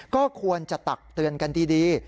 ก็ควรจะตักเตือนกันดี